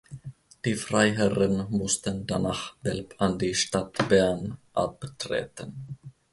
Die Freiherren mussten danach Belp an die Stadt Bern abtreten.